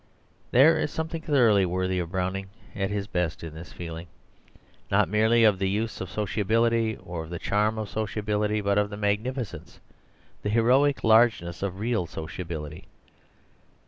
'" There is something thoroughly worthy of Browning at his best in this feeling, not merely of the use of sociability, or of the charm of sociability, but of the magnificence, the heroic largeness of real sociability.